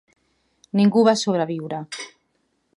Ningú va sobreviure.